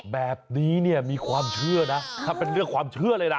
แบบนี้เนี่ยมีความเชื่อนะถ้าเป็นเรื่องความเชื่อเลยนะ